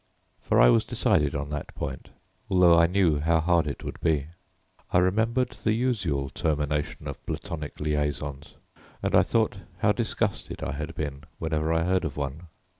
For I was decided on that point although I knew how hard it would be. I remembered the usual termination of Platonic liaisons, and thought how disgusted I had been whenever I heard of one.